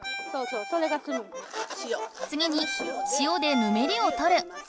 つぎに塩でぬめりをとる。